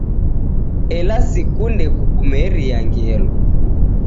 Ela sikunde kukumeria ngelo